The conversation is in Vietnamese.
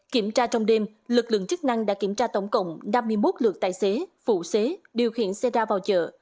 kiểm tra trong đêm lực lượng chức năng đã kiểm tra tổng cộng năm mươi một lượt tài xế phụ xế điều khiển xe đa vào chợ